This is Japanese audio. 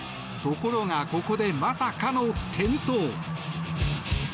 ところが、ここでまさかの転倒。